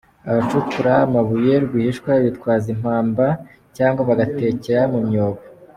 Abacukura amabuye rwihishwa bitwaza impamba cyangwa bagatekera mu myobo.